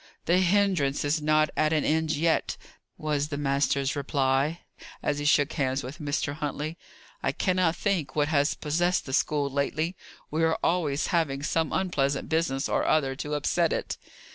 "The hindrance is not at an end yet," was the master's reply, as he shook hands with Mr. Huntley. "I cannot think what has possessed the school lately: we are always having some unpleasant business or other to upset it."